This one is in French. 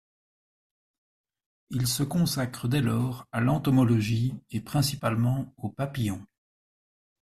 Il se consacre dès lors à l’entomologie et principalement aux papillons.